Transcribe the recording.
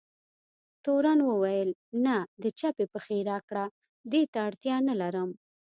تورن وویل: نه، د چپې پښې راکړه، دې ته اړتیا نه لرم.